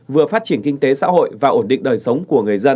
vừa phát triển kinh tế xã hội và ổn định đời sống của người dân